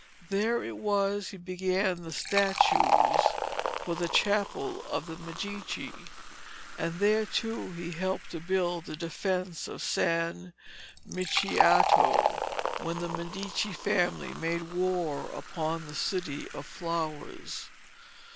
There it was that he began the statues for the Chapel of the Medici, and there, too, he helped to build the defences of San Miniato when the Medici family made war upon the City of Flowers.